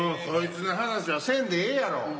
そいつの話はせんでええやろ。